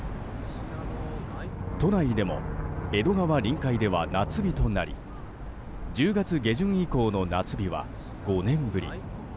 都内でも江戸川臨海では夏日となり１０月下旬以降の夏日は５年ぶり。